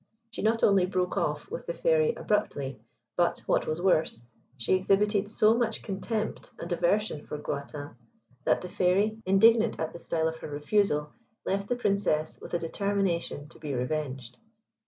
She not only broke off with the Fairy abruptly, but, what was worse, she exhibited so much contempt and aversion for Gluatin, that the Fairy, indignant at the style of her refusal, left the Princess with a determination to be revenged.